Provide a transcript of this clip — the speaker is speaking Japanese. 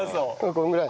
このぐらい。